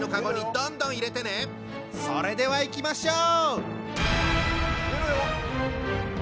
それではいきましょう！